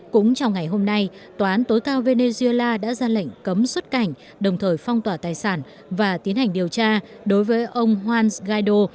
cũng trong ngày hôm nay tòa án tối cao venezuela đã ra lệnh cấm xuất cảnh đồng thời phong tỏa tài sản và tiến hành điều tra đối với ông juan guaido